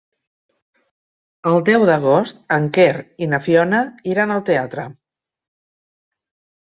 El deu d'agost en Quer i na Fiona iran al teatre.